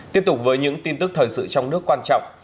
tiếp tục với những tin tức thời sự trong nước quan trọng